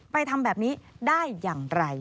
ทำแบบนี้ได้อย่างไร